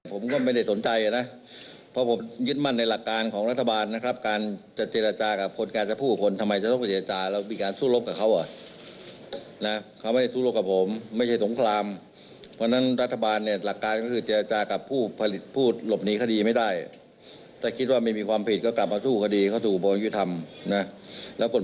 ผมก็ไม่ได้สนใจนะเพราะผมยึดมั่นในหลักการของรัฐบาลนะครับการจะเจรจากับคนการจะพูดคนทำไมจะต้องไปเจรจาแล้วมีการสู้รบกับเขาอ่ะนะเขาไม่ได้สู้รบกับผมไม่ใช่สงครามเพราะฉะนั้นรัฐบาลเนี่ยหลักการก็คือเจรจากับผู้ผลิตผู้หลบหนีคดีไม่ได้ถ้าคิดว่าไม่มีความผิดก็กลับมาสู้คดีเข้าสู่อุบลยุธรรมนะแล้วคน